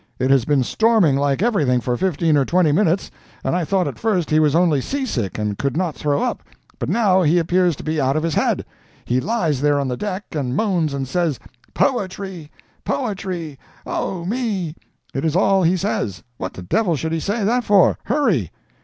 It has been storming like everything for fifteen or twenty minutes, and I thought at first he was only seasick and could not throw up, but now he appears to be out of his head. He lies there on the deck and moans and says, 'Poetry—poetry—oh, me.' It is all he says. What the devil should he say that for? Hurry!"